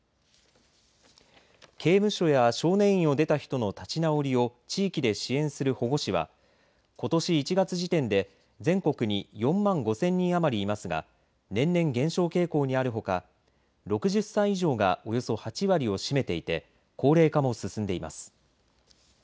刑務所や少年院を出た人の立ち直りを地域で支援する保護司はことし１月時点で全国に４万５０００人余りいますが年々、減少傾向にあるほか６０歳以上がおよそ８割を占めていて高齢化も進んでいます。